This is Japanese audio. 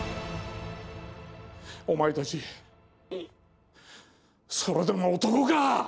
お前たちそれでも男か！